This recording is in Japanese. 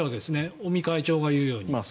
尾身会長が言うように。